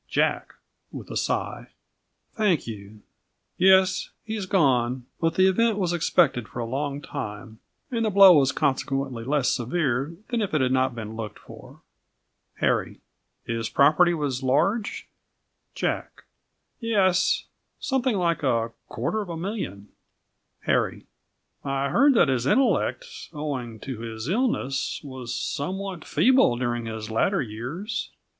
Jack (with a sigh) Thank you. Yes, he has gone; but the event was expected for a long time, and the blow was consequently less severe than if it had not been looked for. H. His property was large? J. Yes; something like a quarter of a million. H. I heard that his intellect, owing to his illness, was somewhat feeble during his latter years.